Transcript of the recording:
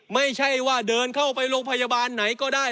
ไม่ใช่ว่าเดินเข้าไปโรงพยาบาลไหนก็ได้